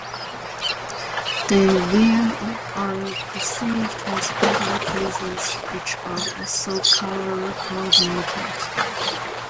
They wear what are perceived as better clothes, which are also color-coordinated.